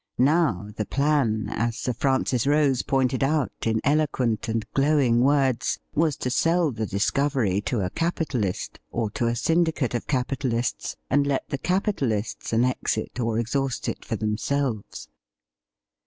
Now, the plan, as Sir Francis Rose pointed out in eloquent and glowing words, was to sell the discovery to a capitalist, or to a syndicate of capitalists, and let the capitalists annex it or exhaust it for themselves.